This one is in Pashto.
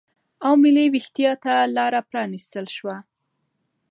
او ملي وېښتیا ته لاره پرا نستل شوه